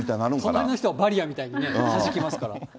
隣の人バリアみたいに弾きますから。